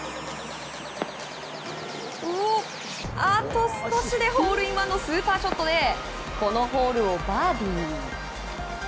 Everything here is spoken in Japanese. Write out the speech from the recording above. あと少しでホールインワンのスーパーショットでこのホールをバーディー。